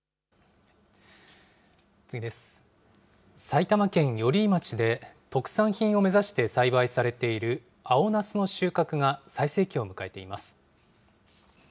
埼玉県寄居町で特産品を目指して栽培されている青なすの収穫が最盛期を迎えています。